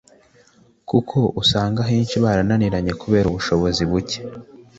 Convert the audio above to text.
kuko usanga ahenshi byarananiranye kubera ubushobzi bucye